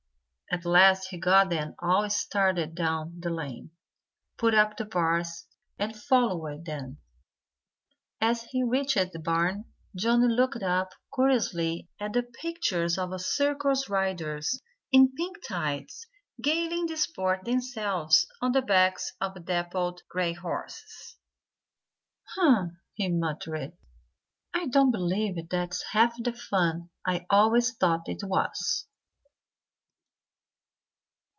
At last he got them all started down the lane, put up the bars, and followed them. As he reached the barn Johnnie looked up curiously at the pictures of circus riders in pink tights gayly disporting themselves on the backs of dappled gray horses. "Humph!" he muttered. "I don't believe that's half the fun I always thought it was."